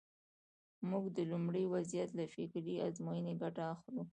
موږ د لومړني وضعیت له فکري ازموینې ګټه اخلو.